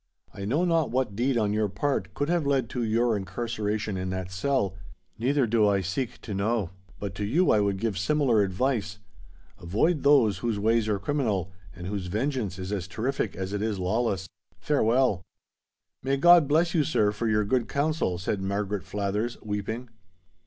I know not what deed on your part could have led to your incarceration in that cell—neither do I seek to know;—but to you I would give similar advice—avoid those whose ways are criminal, and whose vengeance is as terrific as it is lawless. Farewell." "May God bless you, sir, for your good counsel!" said Margaret Flathers, weeping.